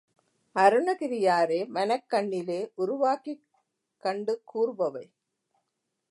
அருணகிரியாரே மனக் கண்ணிலே உருவாக்கிக் கண்டு கூறுபவை.